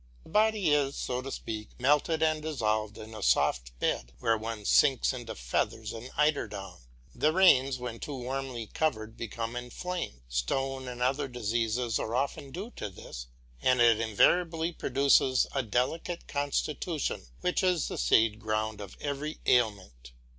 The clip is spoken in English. The body is, so to speak, melted and dissolved in a soft bed where one sinks into feathers and eider down. The reins when too warmly covered become inflamed. Stone and other diseases are often due to this, and it invariably produces a delicate constitution, which is the seed ground of every ailment.